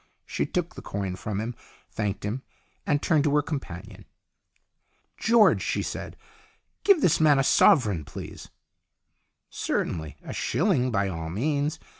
She took the THE LAST CHANCE 123 coin from him, thanked him, and turned to her companion. " George," she said, " give this man a sovereign, please." " Certainly, a shilling by all means.